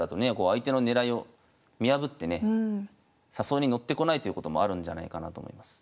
相手の狙いを見破ってね誘いに乗ってこないということもあるんじゃないかなと思います。